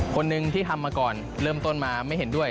คนหนึ่งที่ทำมาก่อนเริ่มต้นมาไม่เห็นด้วย